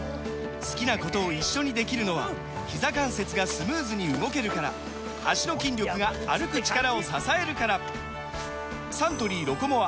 好きなことを一緒にできるのはひざ関節がスムーズに動けるから脚の筋力が歩く力を支えるからサントリー「ロコモア」！